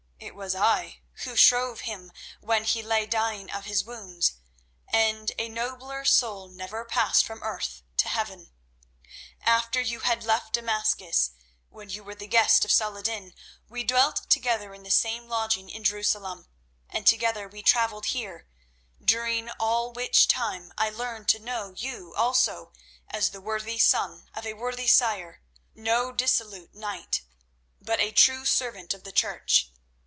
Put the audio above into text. It was I who shrove him when he lay dying of his wounds, and a nobler soul never passed from earth to heaven. After you had left Damascus, when you were the guest of Saladin, we dwelt together in the same lodging in Jerusalem, and together we travelled here, during all which time I learned to know you also as the worthy son of a worthy sire—no dissolute knight, but a true servant of the Church.